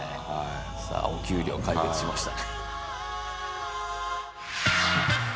さあお給料解決しました。